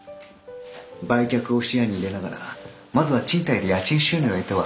売却を視野に入れながらまずは賃貸で家賃収入を得てはいかがですか？